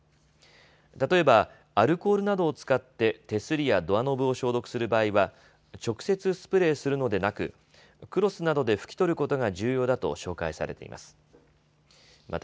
例えばアルコールなどを使って手すりやドアノブを消毒する場合は直接スプレーするのでなくクロスなどで拭き取ることが重要だと紹介されています。